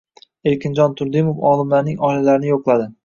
Erkinjon Turdimov olimlarning oilalarini yo‘qladi